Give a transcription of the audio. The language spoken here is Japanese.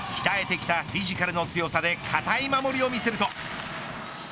鍛えてきたフィジカルの強さで堅い守りを見せると。